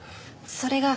それが。